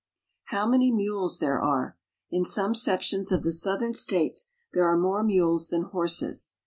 How many mules there are! In some sections of the southern states there are more mules than horses.